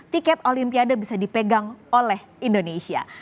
tiket olimpiade bisa dipegang oleh indonesia